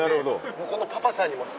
向こうのパパさんにも。